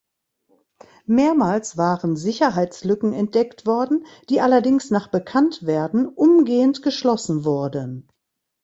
Mehrmals waren Sicherheitslücken entdeckt worden, die allerdings nach Bekanntwerden umgehend geschlossen wurden.